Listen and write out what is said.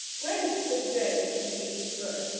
"Wait," said the Drake, as they reached the brook.